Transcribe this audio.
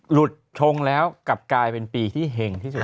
หลุดชงแล้วกลับกลายเป็นปีที่เห็งที่สุด